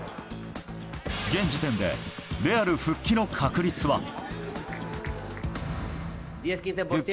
現時点でレアル復帰の確率は。